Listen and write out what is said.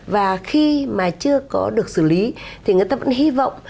và khi mà chưa có được xử lý thì người ta vẫn hy vọng